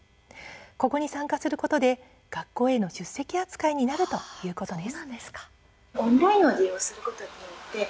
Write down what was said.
ここに参加することで、学校への出席扱いになるということです。